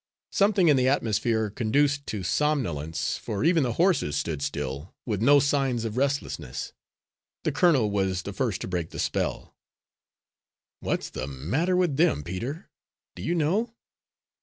Something in the atmosphere conduced to somnolence, for even the horses stood still, with no signs of restlessness. The colonel was the first to break the spell. "What's the matter with them, Peter? Do you know?"